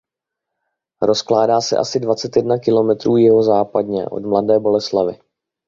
Rozkládá se asi dvacet jedna kilometrů jihozápadně od Mladé Boleslavi.